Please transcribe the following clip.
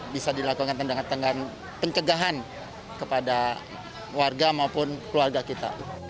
bisa dilakukan tendangan tendangan pencegahan kepada warga maupun keluarga kita